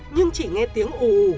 nhưng chỉ nghe tiếng ủ ủ